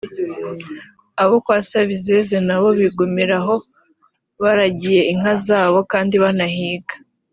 Abo kwa Sabizeze nabo bigumira aho baragiye inka zabo kandi banahiga